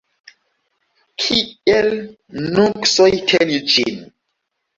Kiel nuksoj teni ĝin?